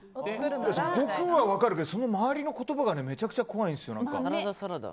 悟空は分かるけどその周りの言葉がめちゃくちゃ怖いんですよ。